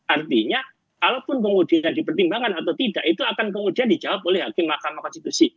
artinya kalaupun kemudian dipertimbangkan atau tidak itu akan kemudian dijawab oleh hakim mahkamah konstitusi